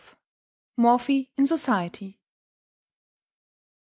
MORPHY IN SOCIETY.